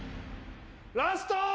ラスト！